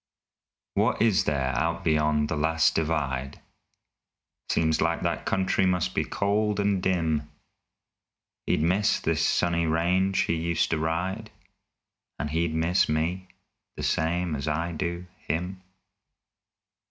What is there out beyond the last divide? Seems like that country must be cold and dim. He'd miss this sunny range he used to ride, And he'd miss me, the same as I do him.